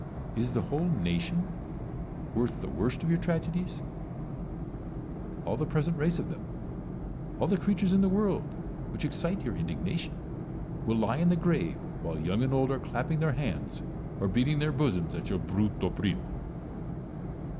Is the whole nation worth the worst of your tragedies ? All the present race of them, all the creatures in the world which excite your indignation, will lie in the grave, while young and old are clapping their hands or beating their bosoms at your Bruto Primo.